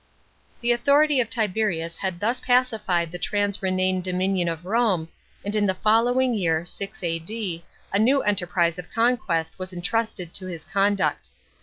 § 8. The authority of Tiberius had thus pacified the trans Rhenane dominion of Rome, and in the following year (6 A.D.) a new enterprise of conquest was entrusted to his conduct.